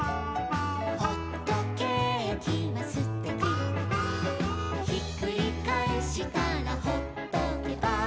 「ほっとけーきはすてき」「ひっくりかえしたらほっとけば」